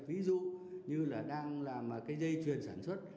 ví dụ như là đang làm cái dây chuyền sản xuất